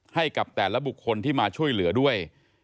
ให้กับแต่ละบุคคลที่มาช่วยเหลือด้วย